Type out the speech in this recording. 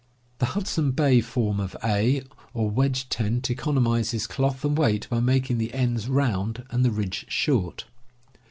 The Hudson Bay form of A or wedge tent economizes cloth and weight by making the ends round and the ridge short.